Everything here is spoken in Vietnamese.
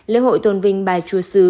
lễ hội tôn vinh bài chúa sư